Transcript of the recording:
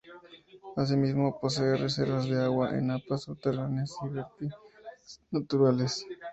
Así mismo, posee reservas de agua, en napas subterráneas, y vertientes naturales.